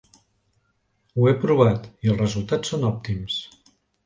Ho he provat i els resultats són òptims.